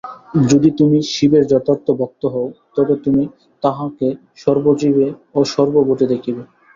যদি তুমি শিবের যথার্থ ভক্ত হও, তবে তুমি তাঁহাকে সর্বজীবে ও সর্বভূতে দেখিবে।